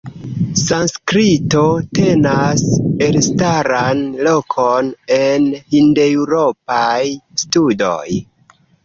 Sanskrito tenas elstaran lokon en Hindeŭropaj studoj.